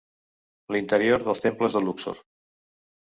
L'interior dels temples de Luxor.